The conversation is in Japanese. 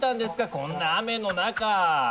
こんな雨の中で。